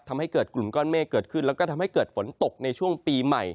ทำให้เกิดกลุ่มก้อนเมฆเกิดขึ้นแล้วก็ทำให้เกิดฝนตกในช่วงปีใหม่